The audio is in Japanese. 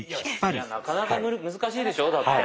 いやなかなか難しいでしょだって。